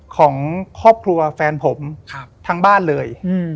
ของครอบครัวแฟนผมทั้งบ้านเลย